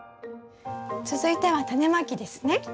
続いてはタネまきですね。